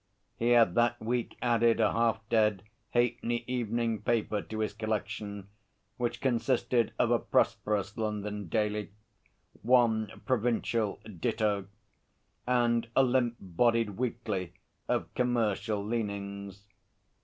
He had that week added a half dead, halfpenny evening paper to his collection, which consisted of a prosperous London daily, one provincial ditto, and a limp bodied weekly of commercial leanings.